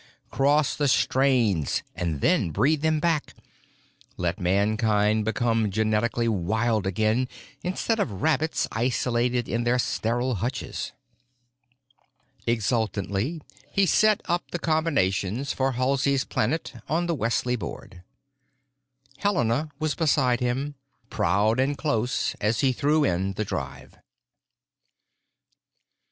Cross the strains, and then breed them back. Let mankind become genetically wild again instead of rabbits isolated in their sterile hutches!" Exultantly he set up the combinations for Halsey's Planet on the Wesley board. Helena was beside him, proud and close, as he threw in the drive.